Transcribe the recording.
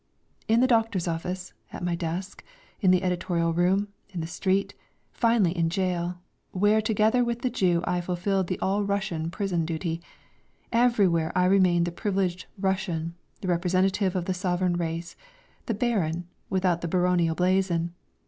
In the doctor's office, at my desk, in the editorial room, in the street, finally in jail, where together with the Jew I fulfilled the all Russian prison duty everywhere I remained the privileged "Russian," the representative of the sovereign race, the baron, without the baronial blazon.